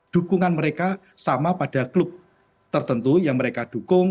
dukungan mereka sama pada klub tertentu yang mereka dukung